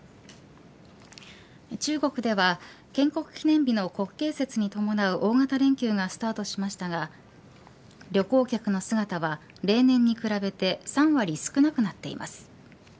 中国では建国記念日の国慶節に伴う大型連休がスタートしましたが旅行客の姿は例年に比べて３割少なくなっています。